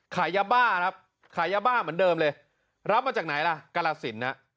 ขายยาบ้าครับขายยาบ้าเหมือนเดิมเลยรับมาจากไหนล่ะกรสินนะ